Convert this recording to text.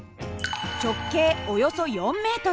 直径およそ４ｍ。